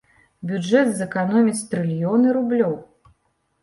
Бюджэт зэканоміць трыльёны рублёў.